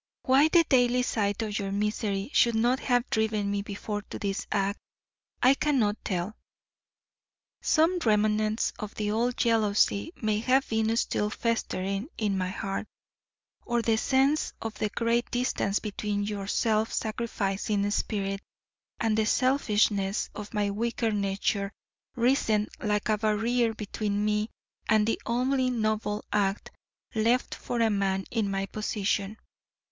Why the daily sight of your misery should not have driven me before to this act, I cannot tell. Some remnants of the old jealousy may have been still festering in my heart; or the sense of the great distance between your self sacrificing spirit and the selfishness of my weaker nature risen like a barrier between me and the only noble act left for a man in my position.